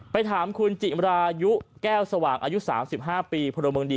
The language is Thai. ไปถามคุณจิมรายุแก้วสว่างอายุ๓๕ปีพลเมืองดี